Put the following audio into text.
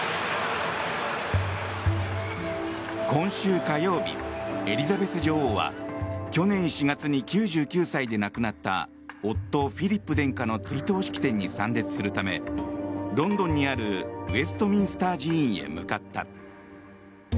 今週火曜日、エリザベス女王は去年４月に９９歳で亡くなった夫フィリップ殿下の追悼式典に参列するためロンドンにあるウェストミンスター寺院へ向かった。